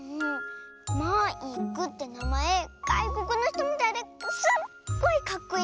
マイクってなまえがいこくのひとみたいですっごいかっこいいよ。